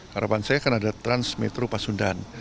harapan saya kan ada transmetro pasundan